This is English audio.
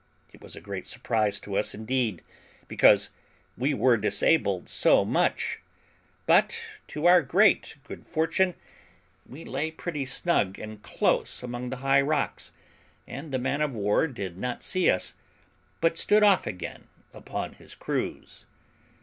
It was a great surprise to us indeed, because we were disabled so much; but, to our great good fortune, we lay pretty snug and close among the high rocks, and the man of war did not see us, but stood off again upon his cruise.